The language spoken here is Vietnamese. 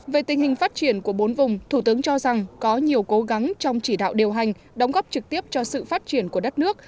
về tình hình phát triển của bốn vùng thủ tướng cho rằng có nhiều cố gắng trong chỉ đạo điều hành đóng góp trực tiếp cho sự phát triển của đất nước